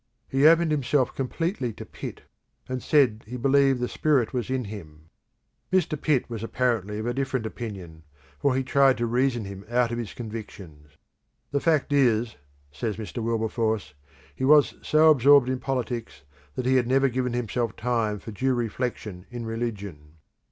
He opened himself completely to Pitt, and said he believed the Spirit was in him. Mr. Pitt was apparently of a different opinion, for he tried to reason him out of his convictions. "The fact is," says Mr. Wilberforce, "he was so absorbed in politics that he had never given himself time for due reflection in religion.